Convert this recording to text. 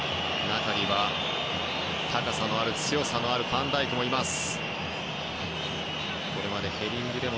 中には高さのある、強さのあるファンダイクもいます。